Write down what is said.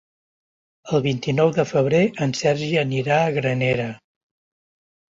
El vint-i-nou de febrer en Sergi anirà a Granera.